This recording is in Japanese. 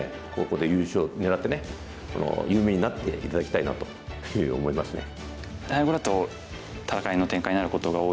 ここで優勝狙って有名になって頂きたいなというふうに思いますね。